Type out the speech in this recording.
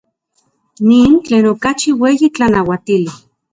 Nin tlen okachi ueyi tlanauatili.